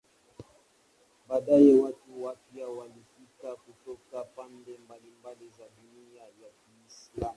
Baadaye watu wapya walifika kutoka pande mbalimbali za dunia ya Kiislamu.